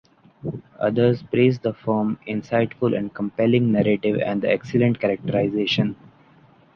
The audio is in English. Others praised the firm, insightful and compelling narrative, and the excellent characterization.